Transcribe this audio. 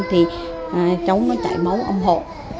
thì cháu nó chảy máu âm hộ